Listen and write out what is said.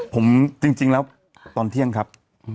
ผมจริงแล้วตอนเที่ยงครับ